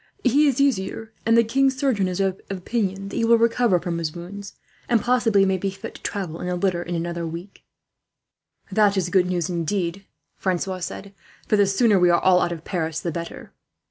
"He is easier, and the king's surgeon is of opinion that he will recover from his wounds, and possibly may be fit to travel in a litter, in another week." "That is good news, indeed," Francois said; "for the sooner we are all out of Paris, the better."